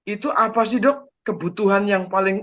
itu apa sih dok kebutuhan yang paling